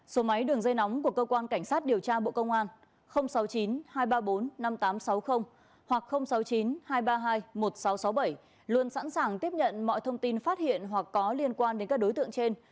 số máy đường dây nóng của cơ quan cảnh sát điều tra bộ công an sáu mươi chín hai trăm ba mươi bốn năm nghìn tám trăm sáu mươi hoặc sáu mươi chín hai trăm ba mươi hai một nghìn sáu trăm sáu mươi bảy luôn sẵn sàng tiếp nhận mọi thông tin phát hiện hoặc có liên quan đến các đối tượng trên